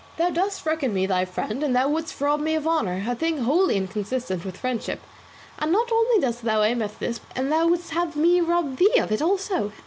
"Thou dost reckon me thy friend, and thou wouldst rob me of honour, a thing wholly inconsistent with friendship; and not only dost thou aim at this, but thou wouldst have me rob thee of it also.